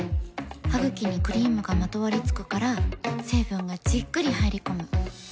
ハグキにクリームがまとわりつくから成分がじっくり入り込む。